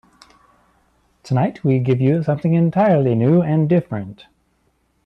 Tonight we give you something entirely new and different.